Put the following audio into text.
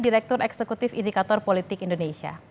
direktur eksekutif indikator politik indonesia